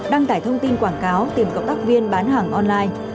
đăng tải thông tin quảng cáo tìm cộng tác viên bán hàng online